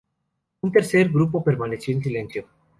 Un tercer grupo permaneció en silencio.